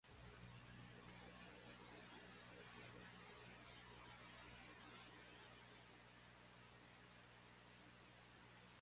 Затоа ги џвакаше чаршафите сѐ додека не смекнеа доволно да може да ги голтне.